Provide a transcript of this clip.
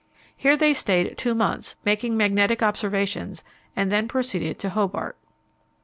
Here they stayed two months, making magnetic observations, and then proceeded to Hobart.